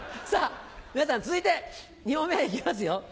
皆さん続いて２問目へいきますよ。